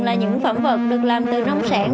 là những phẩm vật được làm từ nông sản